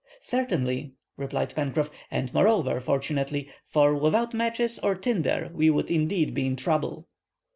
"Certainly," replied Pencroff, "and moreover, fortunately; for without matches or tinder we would indeed be in trouble."